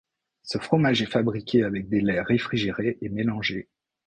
Ce fromage est fabriqué avec des laits réfrigérés et mélangés.